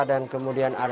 dan kemudian ada